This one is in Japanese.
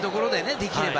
できれば。